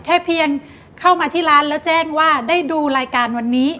แค่เพียงเข้ามาที่ร้านแล้วแจ้งว่าได้ดูรายการวันนี้